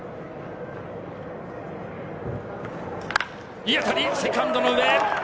いい当たり、セカンドの上。